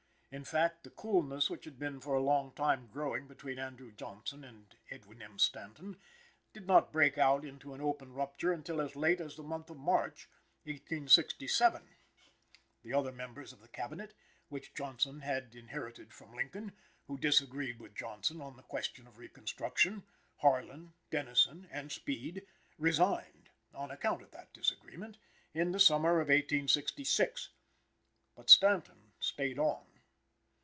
In fact, the coolness which had been for a long time growing between Andrew Johnson and Edwin M. Stanton did not break out into an open rupture until as late as the month of March, 1867. The other members of the Cabinet, which Johnson had inherited from Lincoln, who disagreed with Johnson on the question of Reconstruction, Harlan, Dennison and Speed, resigned, on account of that disagreement, in the summer of 1866; but Stanton stayed on.